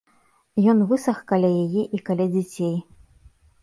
Ён высах каля яе і каля дзяцей.